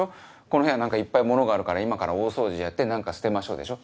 「この部屋何かいっぱいものがあるから今から大掃除やって何か捨てましょ」でしょ？